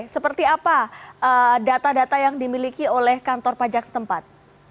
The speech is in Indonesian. seperti apa data data yang dimiliki oleh kantor pajak setempat